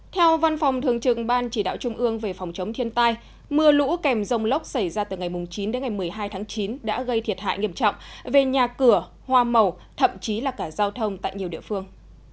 theo văn phòng thường trưởng ban chỉ đạo trung ương về phòng chống thiên tai mưa lũ kèm dông lốc xảy ra từ ngày chín đến ngày một mươi hai tháng chín đã gây thiệt hại nghiêm trọng về nhà cửa hoa màu thậm chí là cả giao thông tại nhiều địa phương